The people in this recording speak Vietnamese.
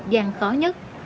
giang khó nhất